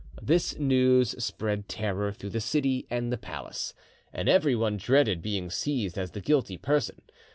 This news spread terror through the city and the palace, and everyone dreaded being seized as the guilty person.